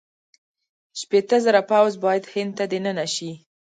شپېته زره پوځ باید هند ته دننه شي.